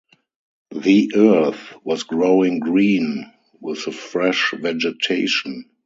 The earth was growing green with the fresh vegetation.